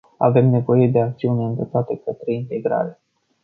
Avem nevoie de acțiuni îndreptate către integrare.